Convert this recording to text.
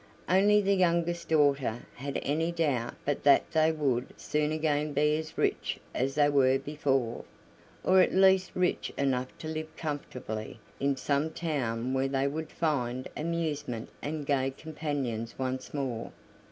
Only the youngest daughter had any doubt but that they would soon again be as rich as they were before, or at least rich enough to live comfortably in some town where they would find amusement and gay companions once more.